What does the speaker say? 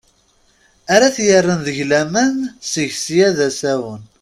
Ara t-yerren deg laman seg sya d asawen.